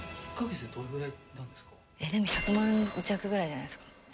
でも１００万円弱ぐらいじゃないですか？